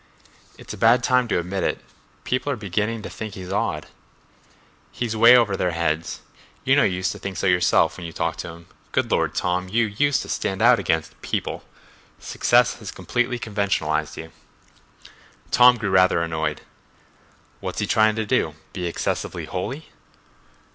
"It's a bad time to admit it—people are beginning to think he's odd." "He's way over their heads—you know you think so yourself when you talk to him—Good Lord, Tom, you used to stand out against 'people.' Success has completely conventionalized you." Tom grew rather annoyed. "What's he trying to do—be excessively holy?"